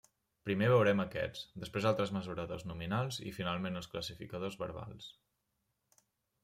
Primer veurem aquests, després altres mesuradors nominals i finalment els classificadors verbals.